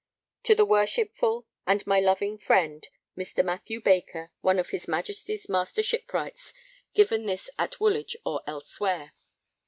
To the worshipful and my loving friend Mr. Mathew Baker, one of his Majesty's Master Shipwrights, give this at Woolwich or elsewhere.